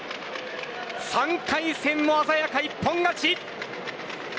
３回戦も鮮やか、一本勝ち。